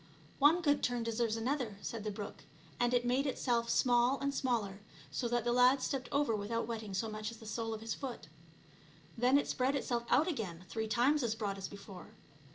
" One good turn deserves another," said the brook, and it made itself small and smaller, so that the lad stepped over without wetting so much as the sole of his foot. Then it spread itself out again three times as broad as before.